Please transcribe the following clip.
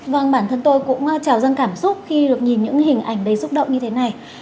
vâng bản thân tôi cũng trào dâng cảm xúc khi được nhìn những hình ảnh đầy xúc động như thế này